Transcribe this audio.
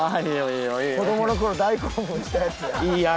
子供の頃大興奮したやつや。